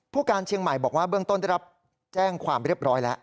การเชียงใหม่บอกว่าเบื้องต้นได้รับแจ้งความเรียบร้อยแล้ว